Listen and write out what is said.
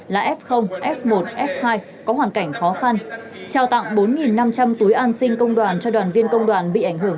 là f f một f hai có hoàn cảnh khó khăn trao tặng bốn năm trăm linh túi an sinh công đoàn cho đoàn viên công đoàn bị ảnh hưởng